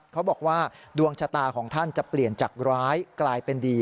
เขาบอกว่าดวงชะตาของท่านจะเปลี่ยนจากร้ายกลายเป็นดี